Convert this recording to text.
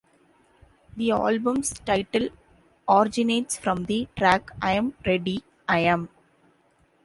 The album's title originates from the track I'm Ready, I Am.